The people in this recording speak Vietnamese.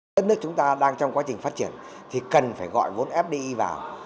đất nước chúng ta đang trong quá trình phát triển thì cần phải gọi vốn fdi vào